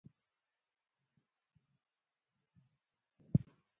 سنگ مرمر د افغانستان د طبیعت برخه ده.